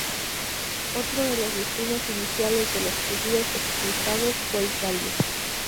Otro de los destinos iniciales de los judíos expulsados fue Italia.